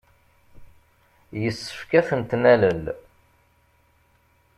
Yessefk ad tent-nalel.